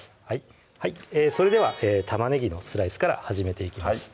それでは玉ねぎのスライスから始めていきます